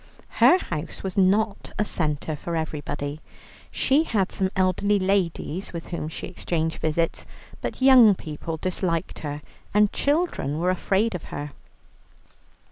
Her house was not a centre for everybody. She had some elderly ladies with whom she exchanged visits, but young people disliked her, and children were afraid of her.